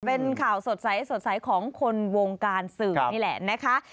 เป็นข่าวสดใสของคนวงการสื่อนี่แหละนะคะ